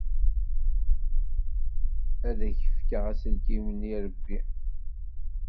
Ad ak-fkeɣ aselkim n yirebbi.